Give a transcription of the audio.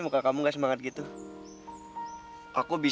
mereka yang termasuk dukung cinta saya sendiri